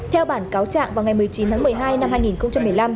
theo bản cáo trạng vào ngày một mươi chín tháng một mươi hai năm hai nghìn một mươi năm